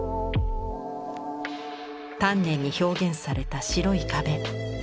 丹念に表現された白い壁。